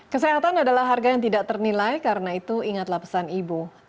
kesehatan adalah harga yang tidak ternilai karena itu ingatlah pesan ibu